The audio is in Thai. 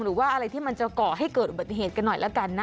หรือว่าอะไรที่มันจะก่อให้เกิดอุบัติเหตุกันหน่อยละกันนะ